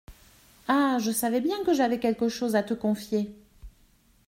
Ah ! je savais bien que j’avais quelque chose à te confier.